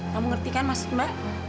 kamu ngerti kan maksud mbak